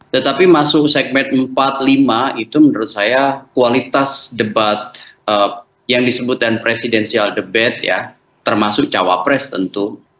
tetapi masuk segmen empat lima itu menurut saya kualitas debat yang disebut dan presidensial debat ya termasuk cawapres tentu